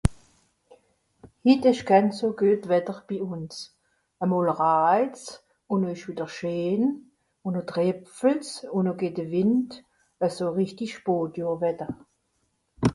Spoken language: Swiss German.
hit esch kehn so guet Wetter bi uns a mol raijt's un no esch weder scheen un no drepfelt's un no geht de Wìnd e so richtig Spotjohrwetter